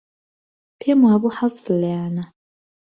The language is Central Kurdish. پێم وابوو حەزت لێیانە.